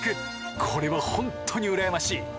これはホントに羨ましい。